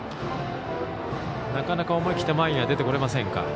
なかなか思い切って前には出てこれませんか。